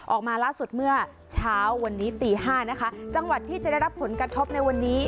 ออกมาล่าสุดเมื่อเช้าวันนี้ตีห้านะคะจังหวัดที่จะได้รับผลกระทบในวันนี้